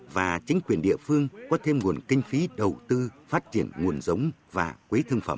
và chính quyền địa phương có thêm nguồn kinh phí đầu tư phát triển nguồn giống và quế thương phẩm